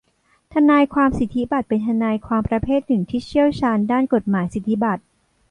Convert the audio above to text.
ทนายความสิทธิบัตรเป็นทนายความประเภทหนึ่งที่เชี่ยวชาญด้านกฎหมายสิทธิบัตร